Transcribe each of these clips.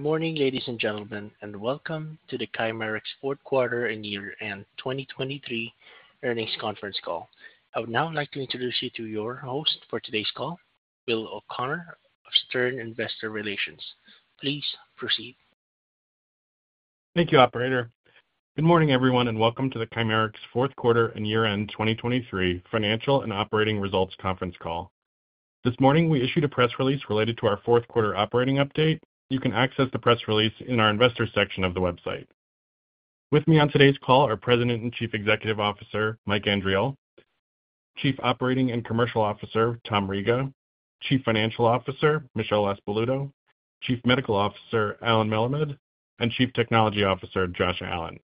Good morning, ladies and gentlemen, and welcome to the Chimerix Q4 and Year-End 2023 Earnings Conference Call. I would now like to introduce you to your host for today's call, Bill O'Connor of Stern Investor Relations. Please proceed. Thank you, operator. Good morning, everyone, and welcome to the Chimerix Q4 and Year-End 2023 Financial and Operating Results Conference Call. This morning we issued a press release related to our Q4 operating update. You can access the press release in our Investors section of the website. With me on today's call are President and Chief Executive Officer Mike Andriole, Chief Operating and Commercial Officer Tom Riga, Chief Financial Officer Michelle LaSpaluto, Chief Medical Officer Allen Melemed, and Chief Technology Officer Joshua Allen.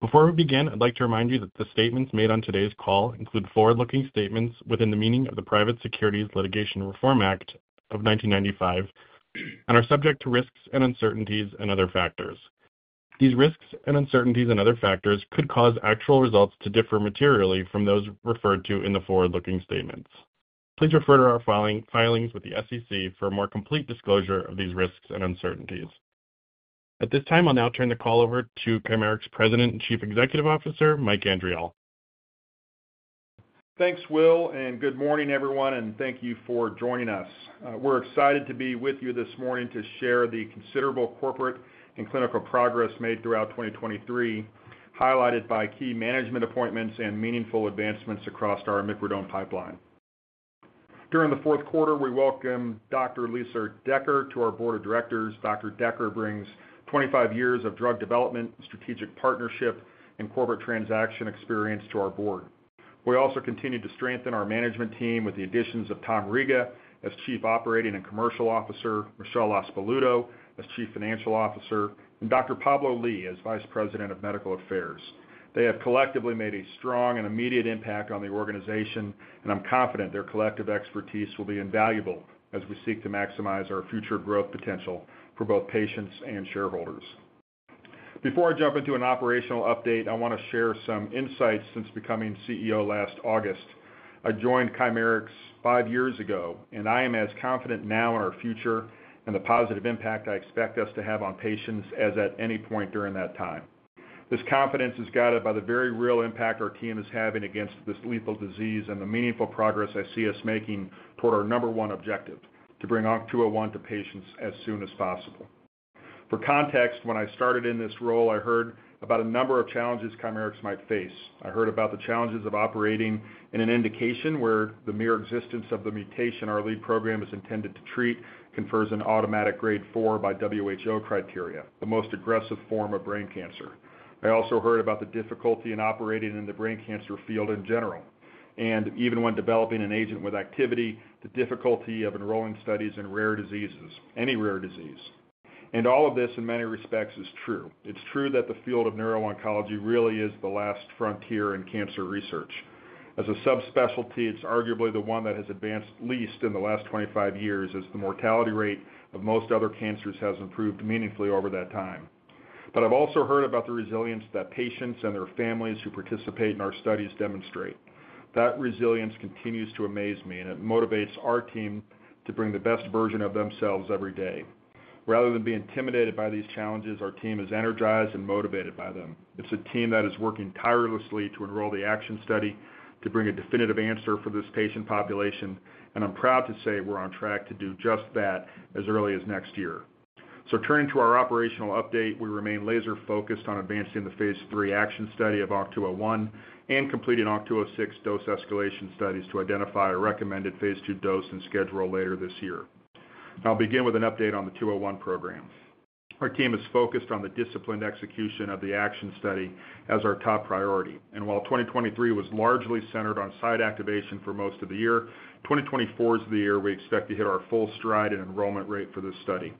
Before we begin, I'd like to remind you that the statements made on today's call include forward-looking statements within the meaning of the Private Securities Litigation Reform Act of 1995 and are subject to risks and uncertainties and other factors. These risks and uncertainties and other factors could cause actual results to differ materially from those referred to in the forward-looking statements. Please refer to our filings with the SEC for a more complete disclosure of these risks and uncertainties. At this time, I'll now turn the call over to Chimerix President and Chief Executive Officer Mike Andriole. Thanks, Bill, and good morning, everyone, and thank you for joining us. We're excited to be with you this morning to share the considerable corporate and clinical progress made throughout 2023, highlighted by key management appointments and meaningful advancements across our imipridone pipeline. During the Q4, we welcome Dr. Lisa Decker to our board of directors. Dr. Decker brings 25 years of drug development, strategic partnership, and corporate transaction experience to our board. We also continue to strengthen our management team with the additions of Thomas Riga as Chief Operating and Commercial Officer, Michelle LaSpaluto as Chief Financial Officer, and Dr. Pablo Lee as Vice President of Medical Affairs. They have collectively made a strong and immediate impact on the organization, and I'm confident their collective expertise will be invaluable as we seek to maximize our future growth potential for both patients and shareholders. Before I jump into an operational update, I want to share some insights since becoming CEO last August. I joined Chimerix five years ago, and I am as confident now in our future and the positive impact I expect us to have on patients as at any point during that time. This confidence is guided by the very real impact our team is having against this lethal disease and the meaningful progress I see us making toward our number one objective, to bring 201 to patients as soon as possible. For context, when I started in this role, I heard about a number of challenges Chimerix might face. I heard about the challenges of operating in an indication where the mere existence of the mutation our lead program is intended to treat confers an automatic grade four by WHO criteria, the most aggressive form of brain cancer. I also heard about the difficulty in operating in the brain cancer field in general, and even when developing an agent with activity, the difficulty of enrolling studies in rare diseases, any rare disease. All of this, in many respects, is true. It's true that the field of neuro-oncology really is the last frontier in cancer research. As a subspecialty, it's arguably the one that has advanced least in the last 25 years, as the mortality rate of most other cancers has improved meaningfully over that time. But I've also heard about the resilience that patients and their families who participate in our studies demonstrate. That resilience continues to amaze me, and it motivates our team to bring the best version of themselves every day. Rather than be intimidated by these challenges, our team is energized and motivated by them. It's a team that is working tirelessly to enroll the ACTION study, to bring a definitive answer for this patient population, and I'm proud to say we're on track to do just that as early as next year. So turning to our operational update, we remain laser-focused on advancing the phase 3 ACTION study of ONC201 and completing ONC206 dose escalation studies to identify a recommended phase 2 dose and schedule later this year. I'll begin with an update on the ONC201 program. Our team is focused on the disciplined execution of the ACTION study as our top priority. And while 2023 was largely centered on site activation for most of the year, 2024 is the year we expect to hit our full stride in enrollment rate for this study.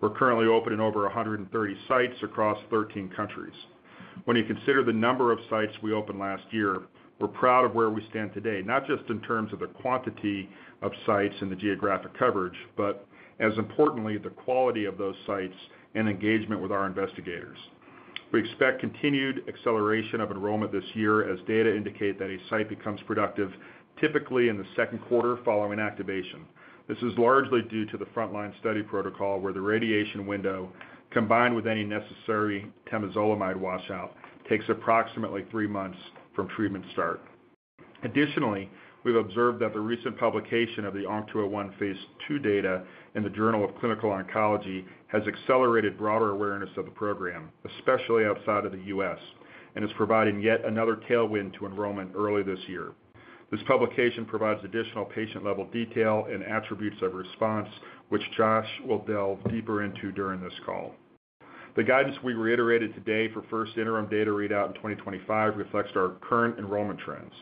We're currently open in over 130 sites across 13 countries. When you consider the number of sites we opened last year, we're proud of where we stand today, not just in terms of the quantity of sites and the geographic coverage, but as importantly, the quality of those sites and engagement with our investigators. We expect continued acceleration of enrollment this year as data indicate that a site becomes productive, typically in the Q2 following activation. This is largely due to the frontline study protocol where the radiation window, combined with any necessary temozolomide washout, takes approximately three months from treatment start. Additionally, we've observed that the recent publication of the ONC201 phase 2 data in the Journal of Clinical Oncology has accelerated broader awareness of the program, especially outside of the U.S., and is providing yet another tailwind to enrollment early this year. This publication provides additional patient-level detail and attributes of response, which Josh will delve deeper into during this call. The guidance we reiterated today for first interim data readout in 2025 reflects our current enrollment trends.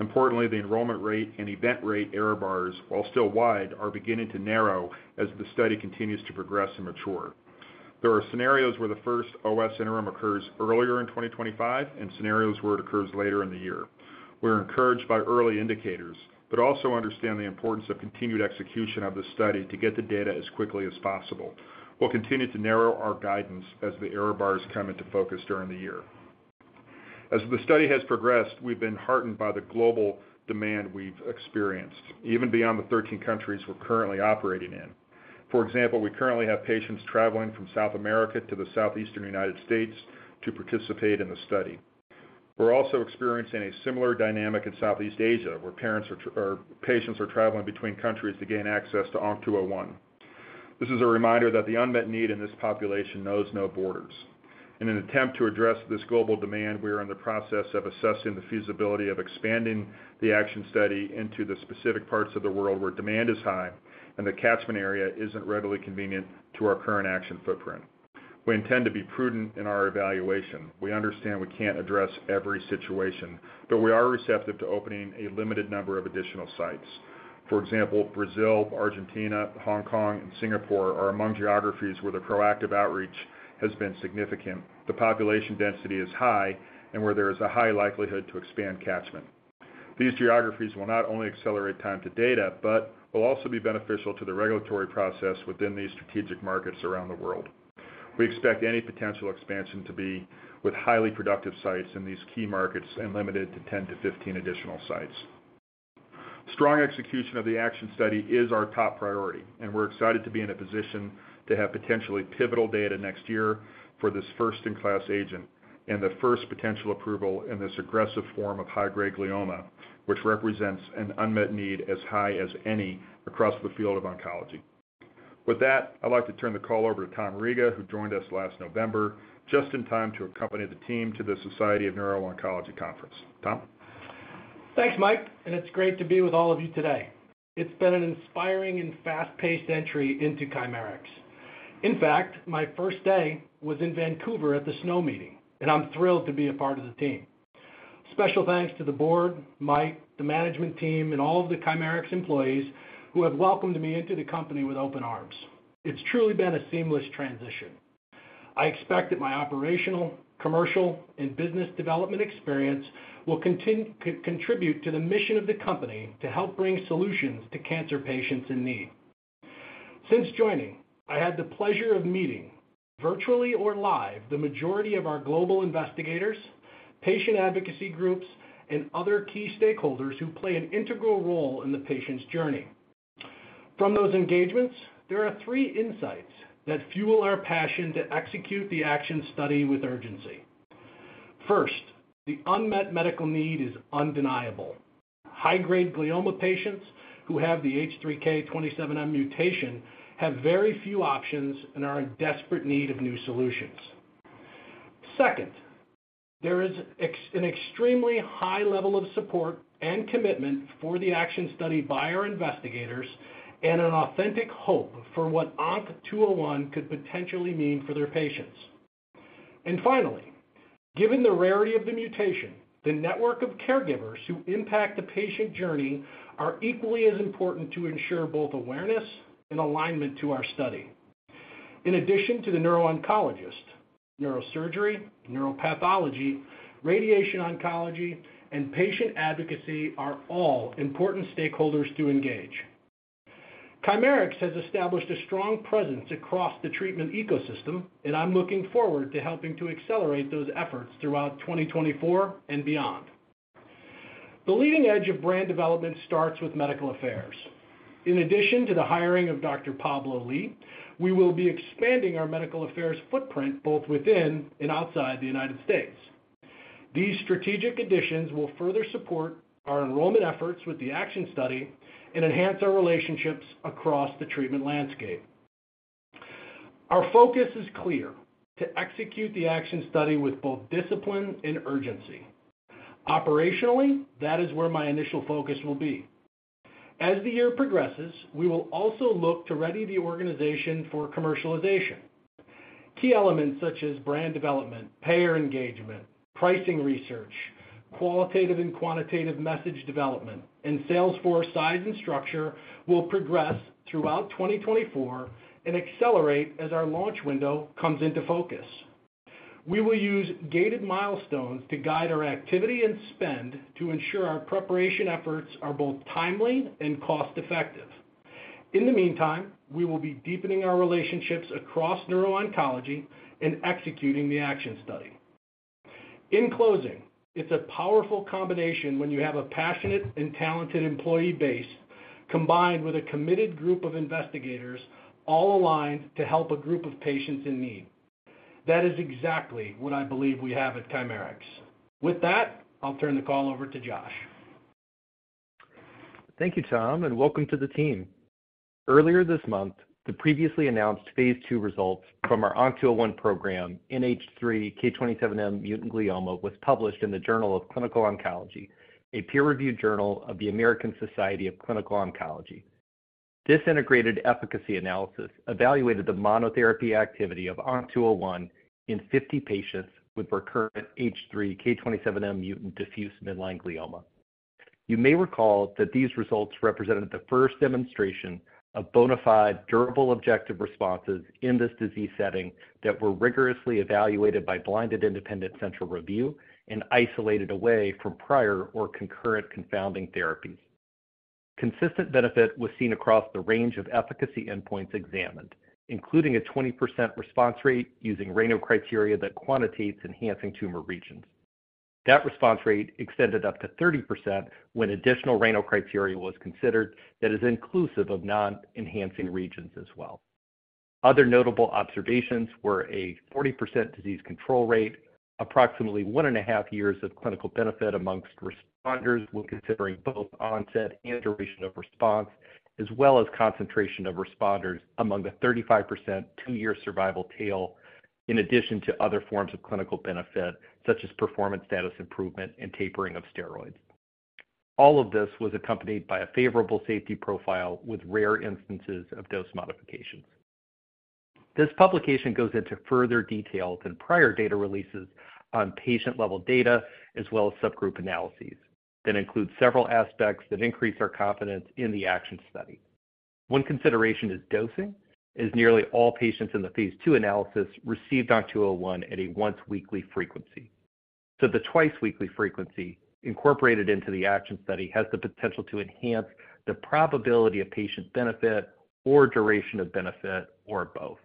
Importantly, the enrollment rate and event rate error bars, while still wide, are beginning to narrow as the study continues to progress and mature. There are scenarios where the first OS interim occurs earlier in 2025 and scenarios where it occurs later in the year. We're encouraged by early indicators, but also understand the importance of continued execution of the study to get the data as quickly as possible. We'll continue to narrow our guidance as the error bars come into focus during the year. As the study has progressed, we've been heartened by the global demand we've experienced, even beyond the 13 countries we're currently operating in. For example, we currently have patients traveling from South America to the Southeastern United States to participate in the study. We're also experiencing a similar dynamic in Southeast Asia, where patients are traveling between countries to gain access to 201. This is a reminder that the unmet need in this population knows no borders. In an attempt to address this global demand, we are in the process of assessing the feasibility of expanding the ACTION study into the specific parts of the world where demand is high and the catchment area isn't readily convenient to our current ACTION footprint. We intend to be prudent in our evaluation. We understand we can't address every situation, but we are receptive to opening a limited number of additional sites. For example, Brazil, Argentina, Hong Kong, and Singapore are among geographies where the proactive outreach has been significant, the population density is high, and where there is a high likelihood to expand catchment. These geographies will not only accelerate time to data, but will also be beneficial to the regulatory process within these strategic markets around the world. We expect any potential expansion to be with highly productive sites in these key markets and limited to 10-15 additional sites. Strong execution of the ACTION study is our top priority, and we're excited to be in a position to have potentially pivotal data next year for this first-in-class agent and the first potential approval in this aggressive form of high-grade glioma, which represents an unmet need as high as any across the field of oncology. With that, I'd like to turn the call over to Tom Riga, who joined us last November, just in time to accompany the team to the Society for Neuro-Oncology Conference. Tom? Thanks, Mike, and it's great to be with all of you today. It's been an inspiring and fast-paced entry into Chimerix. In fact, my first day was in Vancouver at the SNO meeting, and I'm thrilled to be a part of the team. Special thanks to the board, Mike, the management team, and all of the Chimerix employees who have welcomed me into the company with open arms. It's truly been a seamless transition. I expect that my operational, commercial, and business development experience will contribute to the mission of the company to help bring solutions to cancer patients in need. Since joining, I had the pleasure of meeting, virtually or live, the majority of our global investigators, patient advocacy groups, and other key stakeholders who play an integral role in the patient's journey. From those engagements, there are three insights that fuel our passion to execute the ACTION study with urgency. First, the unmet medical need is undeniable. High-grade glioma patients who have the H3K27M mutation have very few options and are in desperate need of new solutions. Second, there is an extremely high level of support and commitment for the ACTION study by our investigators and an authentic hope for what ONC201 could potentially mean for their patients. And finally, given the rarity of the mutation, the network of caregivers who impact the patient journey are equally as important to ensure both awareness and alignment to our study. In addition to the neuro-oncologist, neurosurgery, neuropathology, radiation oncology, and patient advocacy are all important stakeholders to engage. Chimerix has established a strong presence across the treatment ecosystem, and I'm looking forward to helping to accelerate those efforts throughout 2024 and beyond. The leading edge of brand development starts with medical affairs. In addition to the hiring of Dr. Pablo Lee, we will be expanding our medical affairs footprint both within and outside the United States. These strategic additions will further support our enrollment efforts with the ACTION study and enhance our relationships across the treatment landscape. Our focus is clear: to execute the ACTION study with both discipline and urgency. Operationally, that is where my initial focus will be. As the year progresses, we will also look to ready the organization for commercialization. Key elements such as brand development, payer engagement, pricing research, qualitative and quantitative message development, and sales force size and structure will progress throughout 2024 and accelerate as our launch window comes into focus. We will use gated milestones to guide our activity and spend to ensure our preparation efforts are both timely and cost-effective. In the meantime, we will be deepening our relationships across neuro-oncology and executing the ACTION study. In closing, it's a powerful combination when you have a passionate and talented employee base combined with a committed group of investigators all aligned to help a group of patients in need. That is exactly what I believe we have at Chimerix. With that, I'll turn the call over to Josh. Thank you, Tom, and welcome to the team. Earlier this month, the previously announced phase 2 results from our 201 program in H3K27M mutant glioma was published in the Journal of Clinical Oncology, a peer-reviewed journal of the American Society of Clinical Oncology. This integrated efficacy analysis evaluated the monotherapy activity of 201 in 50 patients with recurrent H3K27M mutant diffuse midline glioma. You may recall that these results represented the first demonstration of bona fide durable objective responses in this disease setting that were rigorously evaluated by blinded independent central review and isolated away from prior or concurrent confounding therapies. Consistent benefit was seen across the range of efficacy endpoints examined, including a 20% response rate using RANO criteria that quantitates enhancing tumor regions. That response rate extended up to 30% when additional RANO criteria was considered that is inclusive of non-enhancing regions as well. Other notable observations were a 40% disease control rate, approximately one and a half years of clinical benefit among responders when considering both onset and duration of response, as well as concentration of responders among the 35% two-year survival tail in addition to other forms of clinical benefit such as performance status improvement and tapering of steroids. All of this was accompanied by a favorable safety profile with rare instances of dose modifications. This publication goes into further detail than prior data releases on patient-level data as well as subgroup analyses that include several aspects that increase our confidence in the ACTION study. One consideration is dosing, as nearly all patients in the phase 2 analysis received 201 at a once-weekly frequency. So the twice-weekly frequency incorporated into the ACTION study has the potential to enhance the probability of patient benefit or duration of benefit or both.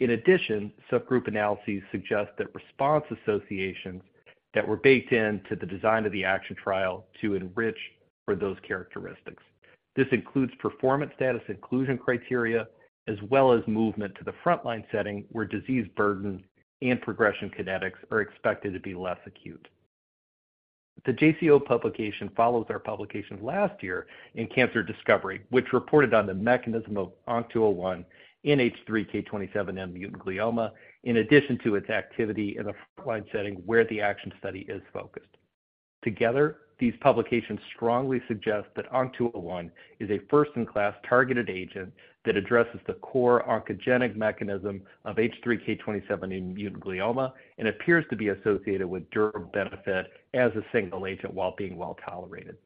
In addition, subgroup analyses suggest that response associations that were baked into the design of the ACTION trial to enrich for those characteristics. This includes performance status inclusion criteria as well as movement to the frontline setting where disease burden and progression kinetics are expected to be less acute. The JCO publication follows our publication last year in Cancer Discovery, which reported on the mechanism of 201 in H3K27M-mutant glioma in addition to its activity in the frontline setting where the ACTION study is focused. Together, these publications strongly suggest that 201 is a first-in-class targeted agent that addresses the core oncogenic mechanism of H3K27M-mutant glioma and appears to be associated with durable benefit as a single agent while being well tolerated.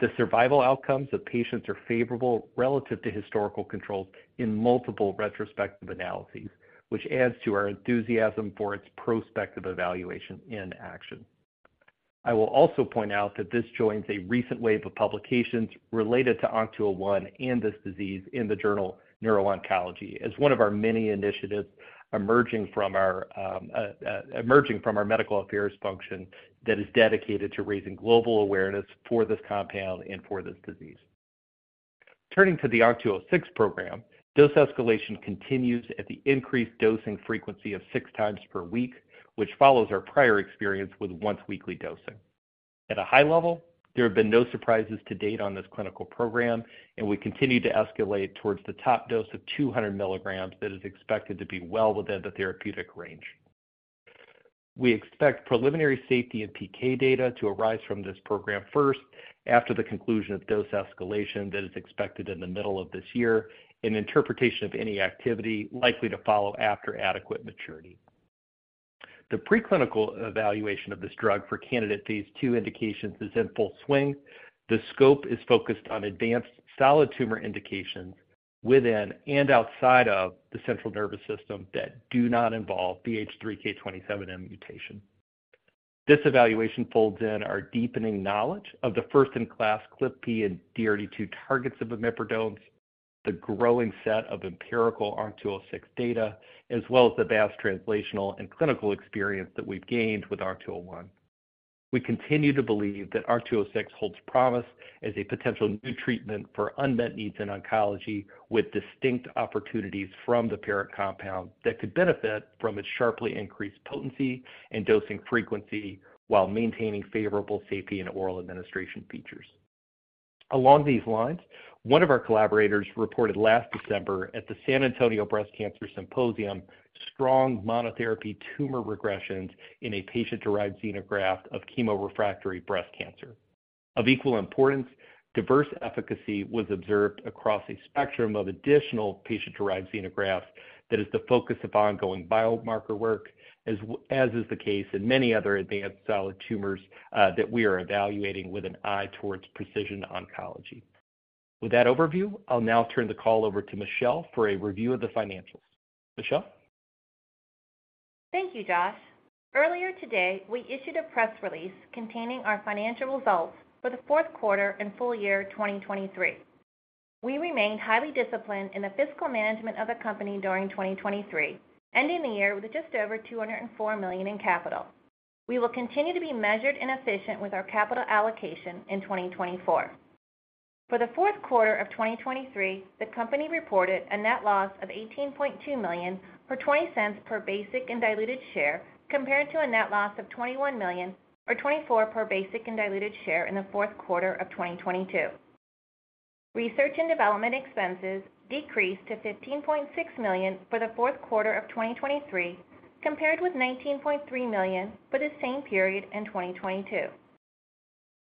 The survival outcomes of patients are favorable relative to historical controls in multiple retrospective analyses, which adds to our enthusiasm for its prospective evaluation in ACTION. I will also point out that this joins a recent wave of publications related to 201 and this disease in the Journal of Neuro-Oncology as one of our many initiatives emerging from our medical affairs function that is dedicated to raising global awareness for this compound and for this disease. Turning to the 206 program, dose escalation continues at the increased dosing frequency of six times per week, which follows our prior experience with once-weekly dosing. At a high level, there have been no surprises to date on this clinical program, and we continue to escalate towards the top dose of 200 mg that is expected to be well within the therapeutic range. We expect preliminary safety and PK data to arise from this program first after the conclusion of dose escalation that is expected in the middle of this year. An interpretation of any activity likely to follow after adequate maturity. The preclinical evaluation of this drug for candidate phase 2 indications is in full swing. The scope is focused on advanced solid tumor indications within and outside of the central nervous system that do not involve the H3K27M mutation. This evaluation folds in our deepening knowledge of the first-in-class ClpP and DRD2 targets of imipridones, the growing set of empirical 206 data, as well as the vast translational and clinical experience that we've gained with 201. We continue to believe that 206 holds promise as a potential new treatment for unmet needs in oncology with distinct opportunities from the parent compound that could benefit from its sharply increased potency and dosing frequency while maintaining favorable safety and oral administration features. Along these lines, one of our collaborators reported last December at the San Antonio Breast Cancer Symposium strong monotherapy tumor regressions in a patient-derived xenograft of chemorefractory breast cancer. Of equal importance, diverse efficacy was observed across a spectrum of additional patient-derived xenografts that is the focus of ongoing biomarker work, as is the case in many other advanced solid tumors that we are evaluating with an eye towards precision oncology. With that overview, I'll now turn the call over to Michelle for a review of the financials. Michelle? Thank you, Josh. Earlier today, we issued a press release containing our financial results for the Q4 and full year 2023. We remained highly disciplined in the fiscal management of the company during 2023, ending the year with just over $204 million in capital. We will continue to be measured and efficient with our capital allocation in 2024. For the Q4 of 2023, the company reported a net loss of $18.2 million or $0.20 per basic and diluted share compared to a net loss of $21 million or $0.24 per basic and diluted share in the Q4 of 2022. Research and development expenses decreased to $15.6 million for the fourth quarter of 2023 compared with $19.3 million for the same period in 2022.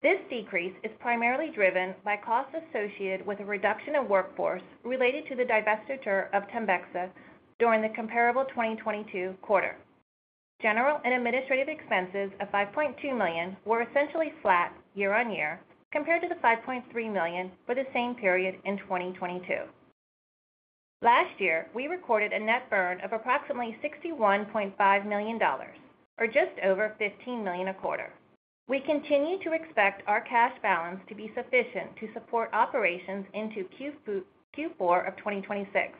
This decrease is primarily driven by costs associated with a reduction in workforce related to the divestiture of TEMBEXA during the comparable 2022 quarter. General and administrative expenses of $5.2 million were essentially flat year-over-year compared to the $5.3 million for the same period in 2022. Last year, we recorded a net burn of approximately $61.5 million or just over $15 million a quarter. We continue to expect our cash balance to be sufficient to support operations into Q4 of 2026.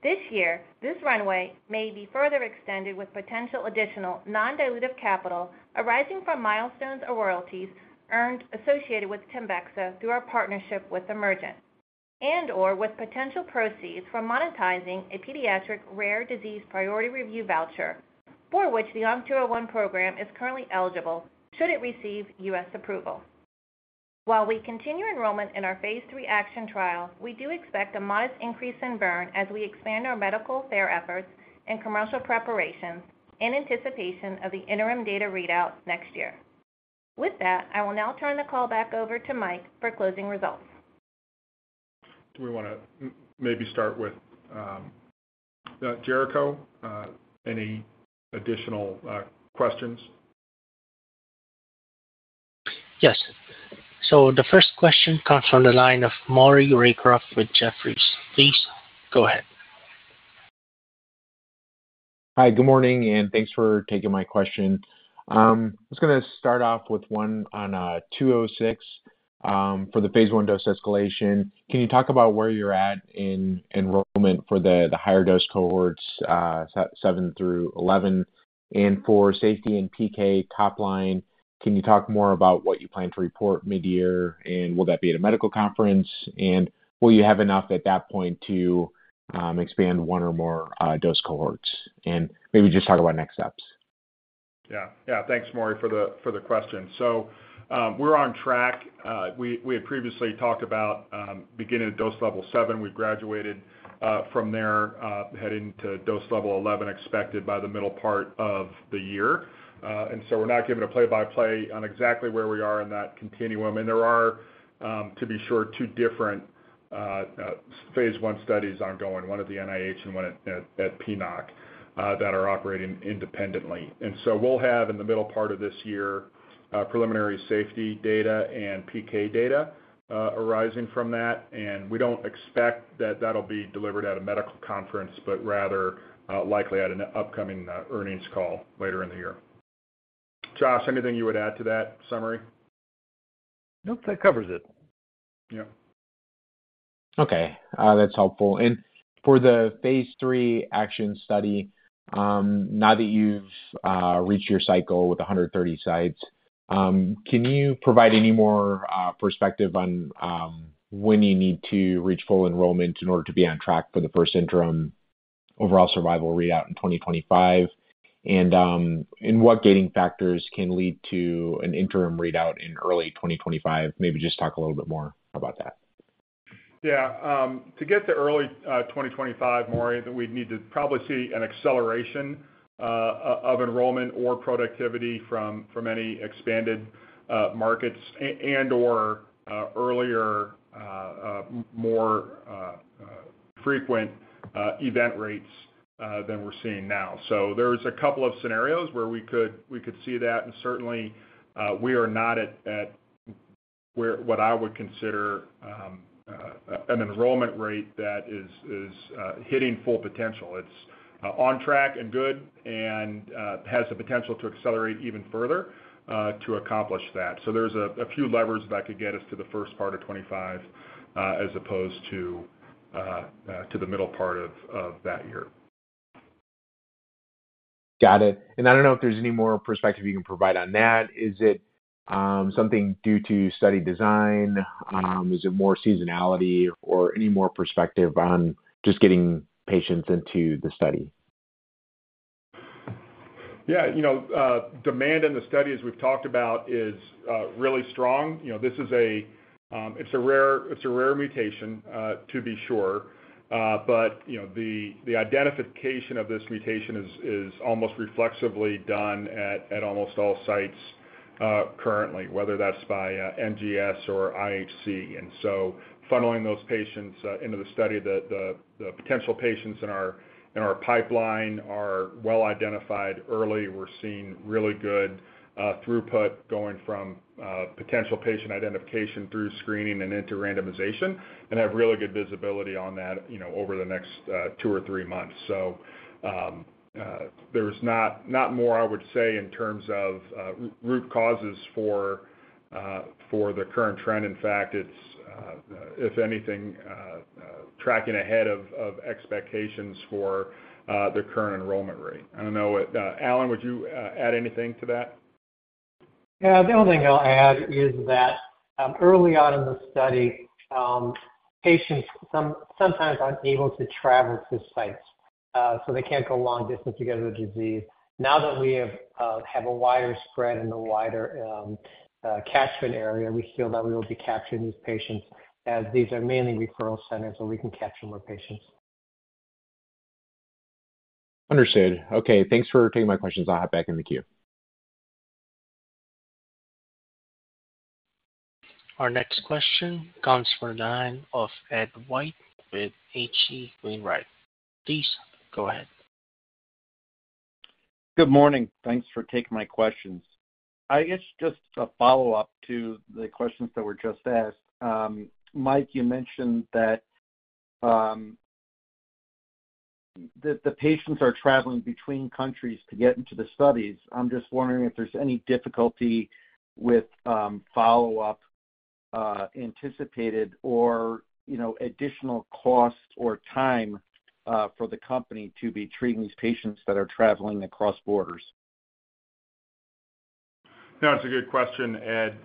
This year, this runway may be further extended with potential additional non-dilutive capital arising from milestones or royalties earned associated with TEMBEXA through our partnership with Emergent and/or with potential proceeds from monetizing a pediatric rare disease priority review voucher for which the ONC201 program is currently eligible should it receive U.S. approval. While we continue enrollment in our Phase 3 ACTION trial, we do expect a modest increase in burn as we expand our medical affairs efforts and commercial preparations in anticipation of the interim data readout next year. With that, I will now turn the call back over to Mike for closing results. Do we want to maybe start withJefferies? Any additional questions? Yes. So the first question comes from the line of Maury Raycroft with Jefferies. Please go ahead. Hi. Good morning, and thanks for taking my question. I was going to start off with one on 206 for the phase 1 dose escalation. Can you talk about where you're at in enrollment for the higher dose cohorts 7-11? And for safety and PK profile, can you talk more about what you plan to report mid-year, and will that be at a medical conference? And will you have enough at that point to expand one or more dose cohorts? And maybe just talk about next steps. Yeah. Yeah. Thanks, Maury, for the question. So we're on track. We had previously talked about beginning at dose level 7. We've graduated from there heading to dose level 11 expected by the middle part of the year. And so we're not giving a play-by-play on exactly where we are in that continuum. And there are, to be sure, two different phase 1 studies ongoing, one at the NIH and one at PNOC, that are operating independently. And so we'll have, in the middle part of this year, preliminary safety data and PK data arising from that. And we don't expect that that'll be delivered at a medical conference, but rather likely at an upcoming earnings call later in the year. Josh, anything you would add to that summary? Nope. That covers it. Yeah. Okay. That's helpful. For the phase 3 ACTION study, now that you've reached your cycle with 130 sites, can you provide any more perspective on when you need to reach full enrollment in order to be on track for the first interim overall survival readout in 2025? What gating factors can lead to an interim readout in early 2025? Maybe just talk a little bit more about that. Yeah. To get to early 2025, Maury, that we'd need to probably see an acceleration of enrollment or productivity from any expanded markets and/or earlier, more frequent event rates than we're seeing now. So there's a couple of scenarios where we could see that. And certainly, we are not at what I would consider an enrollment rate that is hitting full potential. It's on track and good and has the potential to accelerate even further to accomplish that. So there's a few levers that could get us to the first part of 2025 as opposed to the middle part of that year. Got it. I don't know if there's any more perspective you can provide on that. Is it something due to study design? Is it more seasonality or any more perspective on just getting patients into the study? Yeah. Demand in the study, as we've talked about, is really strong. This is a rare mutation, to be sure. But the identification of this mutation is almost reflexively done at almost all sites currently, whether that's by NGS or IHC. And so funneling those patients into the study, the potential patients in our pipeline are well identified early. We're seeing really good throughput going from potential patient identification through screening and into randomization and have really good visibility on that over the next two or three months. So there's not more, I would say, in terms of root causes for the current trend. In fact, it's, if anything, tracking ahead of expectations for the current enrollment rate. I don't know, Allen, would you add anything to that? Yeah. The only thing I'll add is that early on in the study, patients sometimes aren't able to travel to sites, so they can't go long distance because of the disease. Now that we have a wider spread in the wider catchment area, we feel that we will be capturing these patients as these are mainly referral centers, so we can capture more patients. Understood. Okay. Thanks for taking my questions. I'll hop back in the queue. Our next question comes from Ed White with H.C. Wainwright. Please go ahead. Good morning. Thanks for taking my questions. It's just a follow-up to the questions that were just asked. Mike, you mentioned that the patients are traveling between countries to get into the studies. I'm just wondering if there's any difficulty with follow-up anticipated or additional cost or time for the company to be treating these patients that are traveling across borders. Yeah. That's a good question, Ed.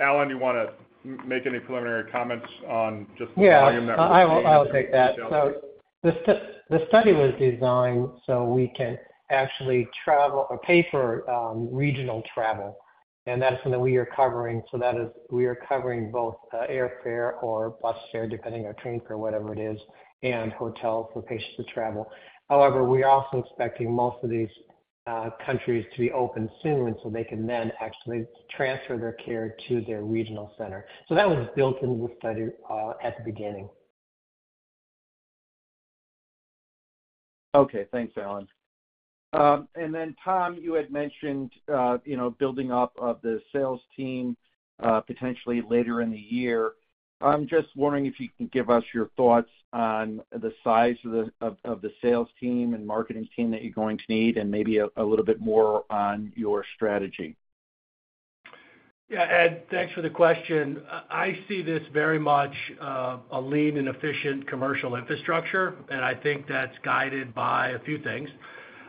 Allen, do you want to make any preliminary comments on just the volume that we're seeing? Yeah. I'll take that. So the study was designed so we can actually travel or pay for regional travel. And that's something that we are covering. So we are covering both airfare or bus fare, depending on train fare, whatever it is, and hotel for patients to travel. However, we are also expecting most of these countries to be open sooner so they can then actually transfer their care to their regional center. So that was built into the study at the beginning. Okay. Thanks, Allen. And then, Tom, you had mentioned building up the sales team potentially later in the year. I'm just wondering if you can give us your thoughts on the size of the sales team and marketing team that you're going to need and maybe a little bit more on your strategy? Yeah. Ed, thanks for the question. I see this very much a lean and efficient commercial infrastructure, and I think that's guided by a few things.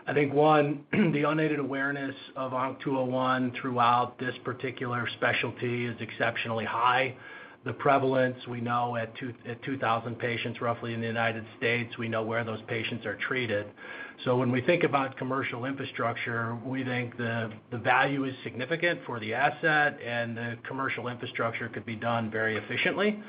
I think, one, the unaided awareness of 201 throughout this particular specialty is exceptionally high. The prevalence, we know at 2,000 patients roughly in the United States, we know where those patients are treated. So when we think about commercial infrastructure, we think the value is significant for the asset, and the commercial infrastructure could be done very efficiently.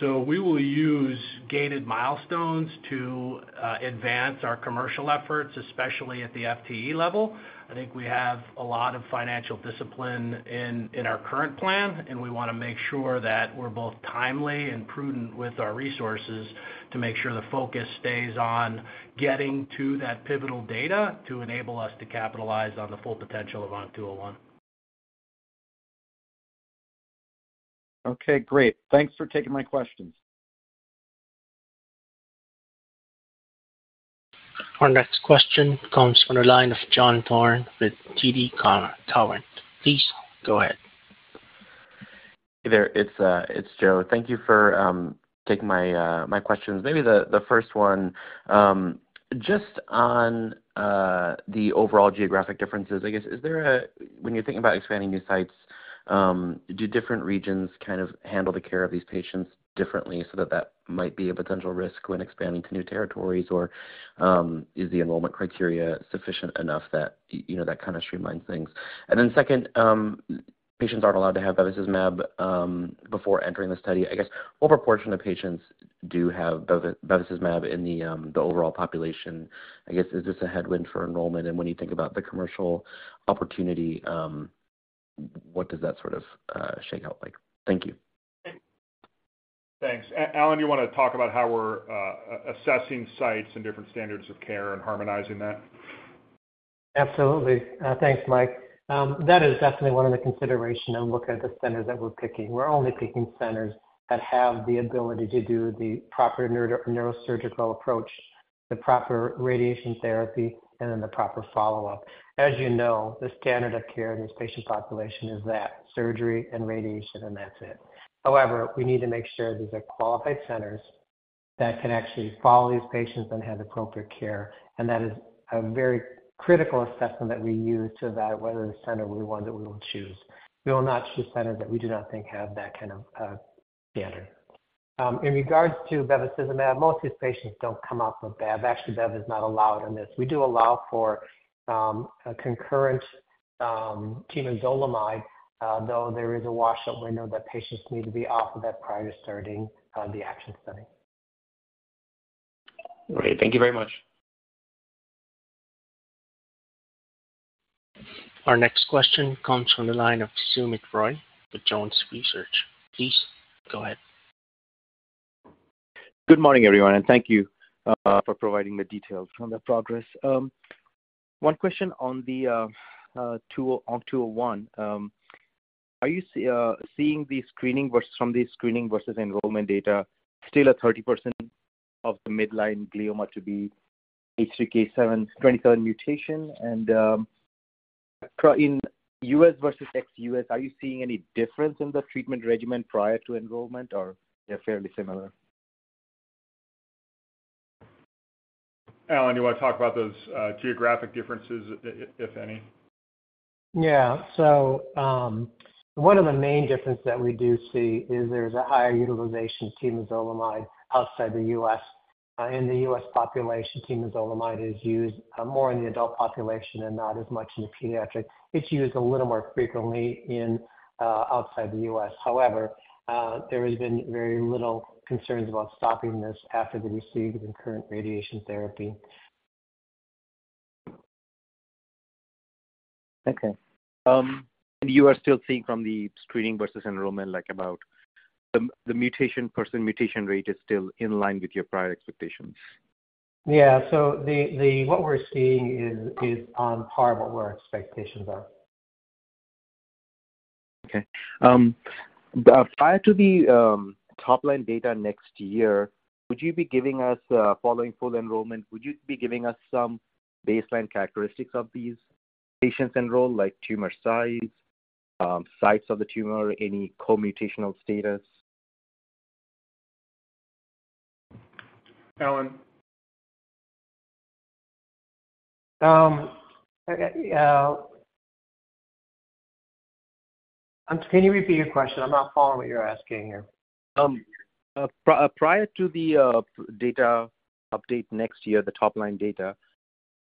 So we will use gated milestones to advance our commercial efforts, especially at the FTE level. I think we have a lot of financial discipline in our current plan, and we want to make sure that we're both timely and prudent with our resources to make sure the focus stays on getting to that pivotal data to enable us to capitalize on the full potential of 201. Okay. Great. Thanks for taking my questions. Our next question comes from the line of Joe Thorne with TD Cowen. Please go ahead. Hey there. It's Joe. Thank you for taking my questions. Maybe the first one, just on the overall geographic differences, I guess, is there a when you're thinking about expanding new sites, do different regions kind of handle the care of these patients differently so that that might be a potential risk when expanding to new territories, or is the enrollment criteria sufficient enough that kind of streamlines things? And then second, patients aren't allowed to have bevacizumab before entering the study. I guess, what proportion of patients do have bevacizumab in the overall population? I guess, is this a headwind for enrollment? And when you think about the commercial opportunity, what does that sort of shake out like? Thank you. Thanks. Allen, do you want to talk about how we're assessing sites and different standards of care and harmonizing that? Absolutely. Thanks, Mike. That is definitely one of the considerations when we look at the centers that we're picking. We're only picking centers that have the ability to do the proper neurosurgical approach, the proper radiation therapy, and then the proper follow-up. As you know, the standard of care in this patient population is that, surgery and radiation, and that's it. However, we need to make sure these are qualified centers that can actually follow these patients and have appropriate care. And that is a very critical assessment that we use to evaluate whether the center will be one that we will choose. We will not choose centers that we do not think have that kind of standard. In regards to bevacizumab, most of these patients don't come up with Bev. Actually, Bev is not allowed in this. We do allow for concurrent temozolomide, though there is a washout window that patients need to be off of that prior to starting the ACTION study. Great. Thank you very much. Our next question comes from the line of Soumit Roy with Jones Research. Please go ahead. Good morning, everyone, and thank you for providing the details on the progress. One question on the 201. Are you seeing the screening from the screening versus enrollment data still a 30% of the midline glioma to be H3K27M mutation? And in U.S. versus ex-U.S., are you seeing any difference in the treatment regimen prior to enrollment, or they're fairly similar? Allen, do you want to talk about those geographic differences, if any? Yeah. One of the main differences that we do see is there's a higher utilization of temozolomide outside the U.S. In the U.S. population, temozolomide is used more in the adult population and not as much in the pediatric. It's used a little more frequently outside the U.S. However, there has been very little concerns about stopping this after they receive the current radiation therapy. Okay. You are still seeing from the screening versus enrollment about the H3K27M mutation rate is still in line with your prior expectations? Yeah. So what we're seeing is on par with what our expectations are. Okay. Prior to the topline data next year, would you be giving us following full enrollment, would you be giving us some baseline characteristics of these patients enrolled, like tumor size, sites of the tumor, any mutational status? Allen? Can you repeat your question? I'm not following what you're asking here. Prior to the data update next year, the topline data,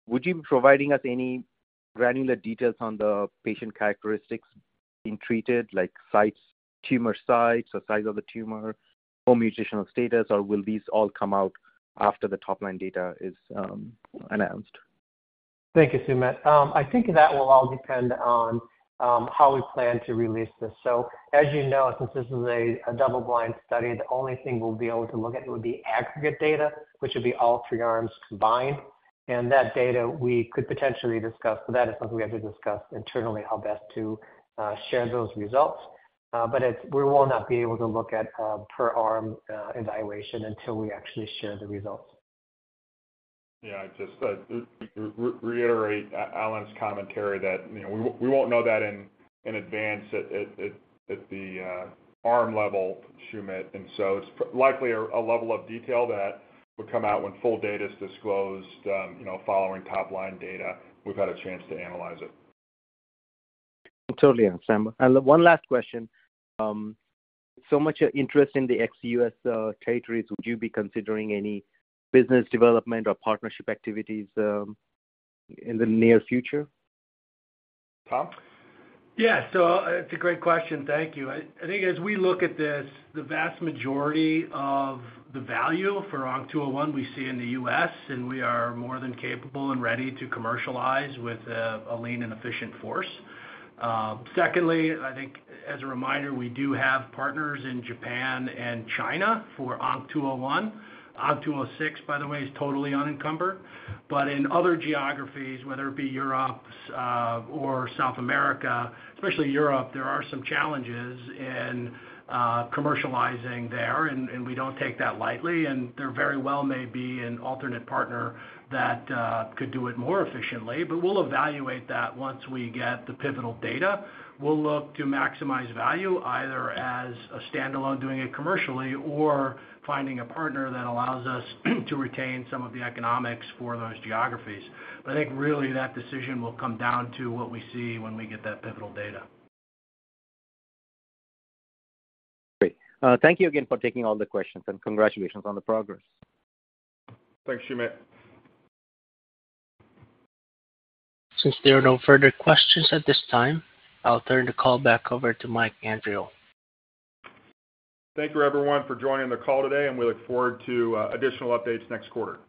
would you be providing us any granular details on the patient characteristics being treated, like tumor size or size of the tumor or mutational status, or will these all come out after the topline data is announced? Thank you, Soumit Roy. I think that will all depend on how we plan to release this. So as you know, since this is a double-blind study, the only thing we'll be able to look at would be aggregate data, which would be all three arms combined. And that data, we could potentially discuss. But that is something we have to discuss internally, how best to share those results. But we will not be able to look at per-arm evaluation until we actually share the results. Yeah. I'd just reiterate Allen's commentary that we won't know that in advance at the arm level, Soumit Roy. And so it's likely a level of detail that would come out when full data is disclosed following topline data. We've had a chance to analyze it. I'm totally on the same board. One last question. With so much interest in the ex-US territories, would you be considering any business development or partnership activities in the near future? Tom? Yeah. So it's a great question. Thank you. I think as we look at this, the vast majority of the value for 201 we see in the U.S., and we are more than capable and ready to commercialize with a lean and efficient force. Secondly, I think as a reminder, we do have partners in Japan and China for 201. 206, by the way, is totally unencumbered. But in other geographies, whether it be Europe or South America, especially Europe, there are some challenges in commercializing there, and we don't take that lightly. And there very well may be an alternate partner that could do it more efficiently. But we'll evaluate that once we get the pivotal data. We'll look to maximize value either as a standalone doing it commercially or finding a partner that allows us to retain some of the economics for those geographies. I think really that decision will come down to what we see when we get that pivotal data. Great. Thank you again for taking all the questions, and congratulations on the progress. Thanks, Soumit Roy. Since there are no further questions at this time, I'll turn the call back over to Mike Andriole. Thank you, everyone, for joining the call today, and we look forward to additional updates next quarter.